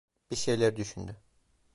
Bir şeyler düşündü…